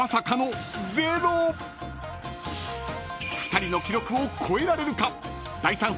［２人の記録を超えられるか⁉］